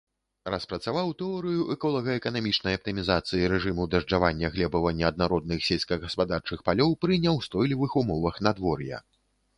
Распрацаваў тэорыю эколага-эканамічнай аптымізацыі рэжыму дажджавання глебава-неаднародных сельскагаспадарчых палёў пры няўстойлівых умовах надвор'я.